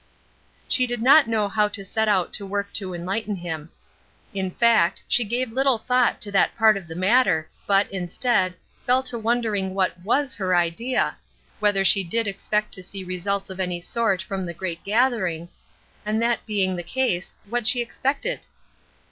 She did not know how to set out to work to enlighten him. In fact, she gave little thought to that part of the matter, but, instead, fell to wondering what was her idea whether she did expect to see results of any sort from the great gathering, and that being the case, what she expected?